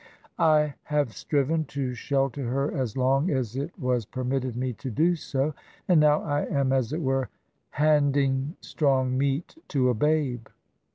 " I have striven to shelter her as long as it was per mitted me to do so. And now I am, as it were, handing strong meat to a babe."